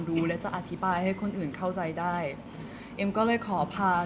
เพราะว่าสิ่งเหล่านี้มันเป็นสิ่งที่ไม่มีพยาน